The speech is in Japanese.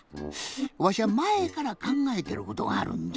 わしゃまえからかんがえてることがあるんじゃ。